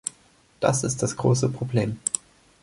Das ist das große Problem.